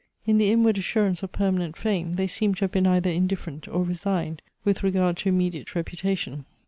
In the inward assurance of permanent fame, they seem to have been either indifferent or resigned with regard to immediate reputation.